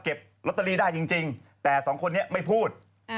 ลอตเตอรี่ได้จริงแต่สองคนนี้ไม่พูด